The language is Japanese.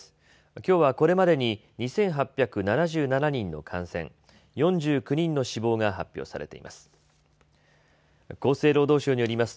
きょうはこれまでに２８７７人の感染、４９人の死亡が発表されています。